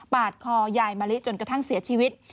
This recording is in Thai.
คอยายมะลิจนกระทั่งเสียชีวิต